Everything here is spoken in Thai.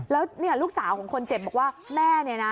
แล้วเนี่ยลูกสาวของคนเจ็บบอกว่าแม่เนี่ยนะ